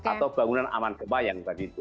atau bangunan aman gempa yang berada di situ